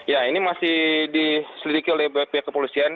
ya ini masih diselidiki oleh pihak kepolisian